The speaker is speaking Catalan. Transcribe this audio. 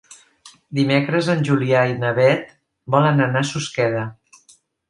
Dimecres en Julià i na Beth volen anar a Susqueda.